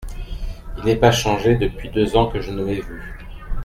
Il n’est pas changé depuis deux ans que je ne l’ai vu !…